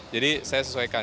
jadi saya sesuaikan